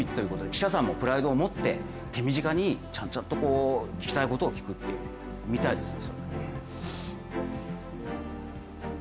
記者さんもプライドを持って手短に着々と聞きたいことを聞くという、見たいですね。